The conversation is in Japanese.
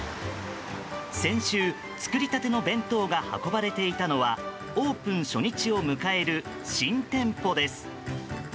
先週、作りたての弁当が運ばれていたのはオープン初日を迎える新店舗です。